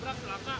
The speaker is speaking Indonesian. kan aja doang